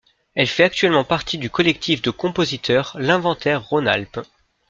Elle fait actuellement partie du collectif de compositeurs L'Inventaire Rhône Alpes.